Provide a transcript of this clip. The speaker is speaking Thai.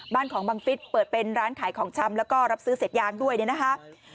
บ้านของบังฟิศเปิดเป็นร้านขายของชำแล้วก็รับซื้อเศษยางด้วยเนี่ยนะคะ